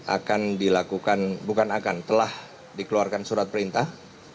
akan dilakukan bukan akan telah dikeluarkan surat perintah